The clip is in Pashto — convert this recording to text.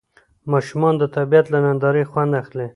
ماشومان د طبیعت له نندارې خوند اخلي